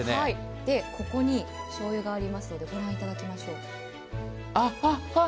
ここにしょうゆがありますので、御覧いただきましょう。